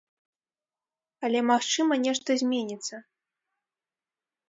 Але, магчыма, нешта зменіцца.